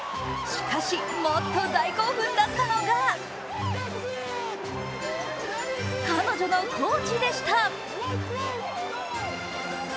しかし、もっと大興奮だったのが彼女のコーチでした。